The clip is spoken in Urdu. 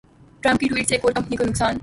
ٹرمپ کی ٹوئیٹ سے ایک اور کمپنی کو نقصان